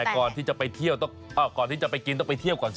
ก่อนที่จะไปเที่ยวก่อนที่จะไปกินต้องไปเที่ยวก่อนสิ